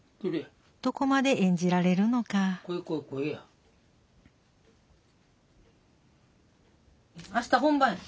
どこまで演じられるのか明日本番や。